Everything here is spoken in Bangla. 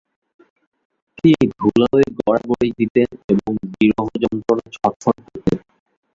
তিনি ধুলোয় গড়াগড়ি দিতেন এবং বিরহ-যন্ত্রণায় ছটফট করতেন।